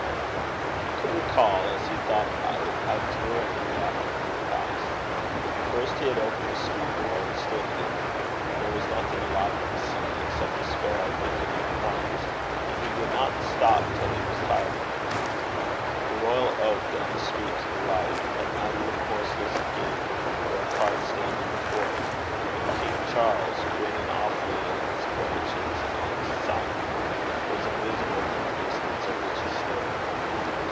He could even recall, as he thought about it, how drearily the afternoon had passed. First he had opened the street door, and stood in it. There was nothing alive to be seen, except a sparrow picking up crumbs, and he would not stop till he was tired of him. The Royal Oak, down the street to the right, had not even a horseless gig or cart standing before it; and King Charles, grinning awfully in its branches on the signboard, was invisible from the distance at which he stood.